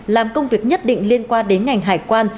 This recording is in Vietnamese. làm công việc nhất định liên quan đến ngành hải quan